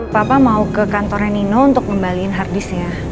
papa mau ke kantornya nino untuk ngembalin harddisknya